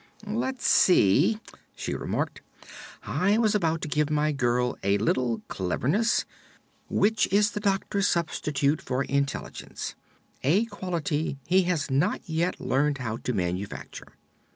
"Let's see," she remarked; "I was about to give my girl a little 'Cleverness,' which is the Doctor's substitute for 'Intelligence' a quality he has not yet learned how to manufacture."